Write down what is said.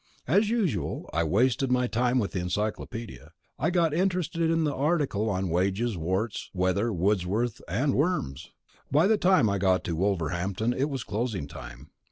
As usual, I wasted my time with the encyclopedia. I got interested in the articles on Wages, Warts, Weather, Wordsworth, and Worms. By the time I got to Wolverhampton it was closing time.